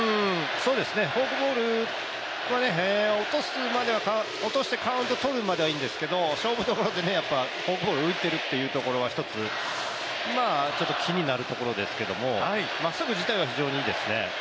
フォークボールは落としてカウント取るまではいいんですけど勝負所でフォークボールを浮いているというところは一つ、気になるところですけどもまっすぐ自体は非常にいいですね。